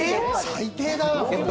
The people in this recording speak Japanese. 最低だな。